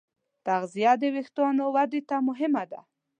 تغذیه د وېښتیانو ودې ته مهمه ده.